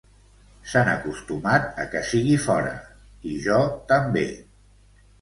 S'han acostumat a que sigui fora, i jo també.